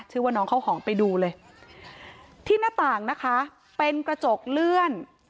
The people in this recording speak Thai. ชื่อว่าน้องข้าวหอมไปดูเลยที่หน้าต่างนะคะเป็นกระจกเลื่อน